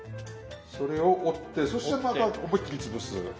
それを折ってそしてまた思いっきり潰す。